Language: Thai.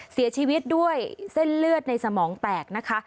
เสียชีวิตด้วยเส้นเลือดในสมองแตกนะคะ